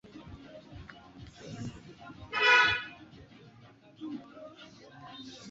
Jacob alifungua mlango wa gari na kutoka nje Zo akiwa ametulia kwenye gari